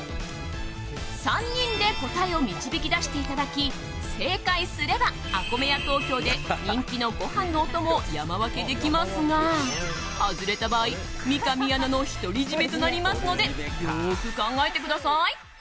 ３人で答えを導き出していただき正解すればＡＫＯＭＥＹＡＴＯＫＹＯで人気のご飯のお供を山分けできますが外れた場合、三上アナの独り占めとなりますのでよく考えてください。